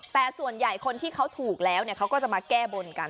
แต่ส่วนใหญ่คนที่เขาถูกแล้วเขาก็จะมาแก้บนกัน